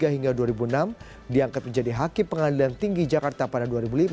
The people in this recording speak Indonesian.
hingga dua ribu enam diangkat menjadi hakim pengadilan tinggi jakarta pada dua ribu lima